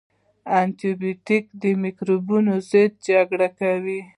انټي باډي د مکروبونو ضد جګړه کوي